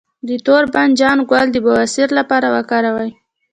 د تور بانجان ګل د بواسیر لپاره وکاروئ